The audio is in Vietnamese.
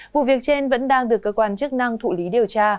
vụ việc trên vẫn đang được cơ quan chức năng thụ lý điều tra